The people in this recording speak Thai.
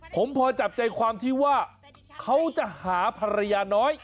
ผมพอจับใจความที่ว่าเขาจะหาภรรยาน้อย